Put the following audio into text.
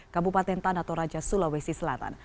kabupaten tanah toraja sulawesi selatan